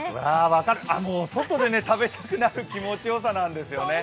分かる、外で食べたくなる気持ちよさなんですよね。